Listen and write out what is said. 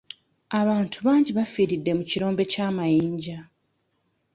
Abantu bangi bafiiridde mu kirombe ky'amayinja.